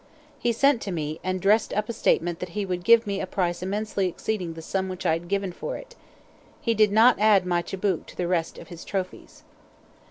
He sent to me, and dressed up a statement that he would give me a price immensely exceeding the sum which I had given for it. He did not add my tchibouque to the rest of his trophies.